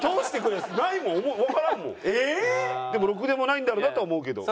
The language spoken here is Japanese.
でもろくでもないんだろうなとは思うけど。